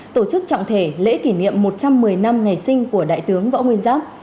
tổ chức trọng thể lễ kỷ niệm một trăm một mươi năm ngày sinh của đại tướng võ nguyên giáp